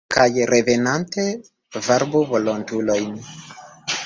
Kaj revenante varbu volontulojn!